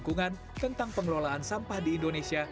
ketua kepala pengelolaan sampah di indonesia